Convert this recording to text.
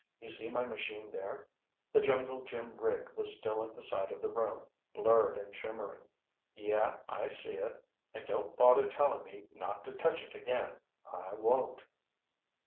You see my machine there." The jungle gym rig was still at the side of the room, blurred and shimmering. "Yeah, I see it. And don't bother telling me not to touch it again. I won't."